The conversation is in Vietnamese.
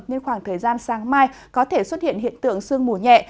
nên khoảng thời gian sáng mai có thể xuất hiện hiện tượng sương mù nhẹ